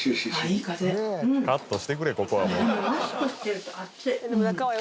カットしてくれここはもう。